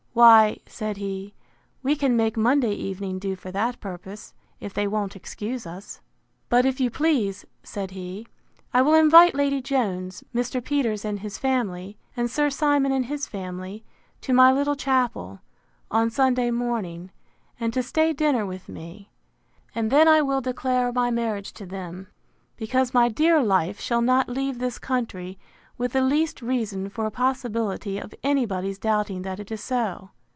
Why, said he, we can make Monday evening do for that purpose, if they won't excuse us. But, if you please, said he, I will invite Lady Jones, Mr. Peters and his family, and Sir Simon and his family, to my little chapel, on Sunday morning, and to stay dinner with me; and then I will declare my marriage to them, because my dear life shall not leave this country with the least reason for a possibility of any body's doubting that it is so.